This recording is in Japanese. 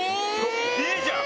いいじゃん！